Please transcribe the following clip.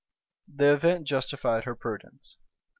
The event justified her prudence.